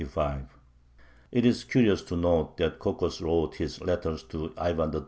It is curious to note that Kokos wrote his letters to Ivan III.